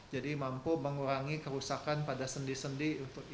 jadi mampu mengurangi kerusakan pada sendi sendi